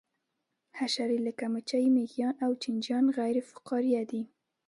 حشرې لکه مچۍ مېږیان او چینجیان غیر فقاریه دي